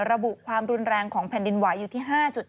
ระบุความรุนแรงของแผ่นดินไหวอยู่ที่๕๗